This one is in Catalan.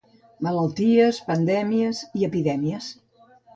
Malalties, pandèmies i epidèmies.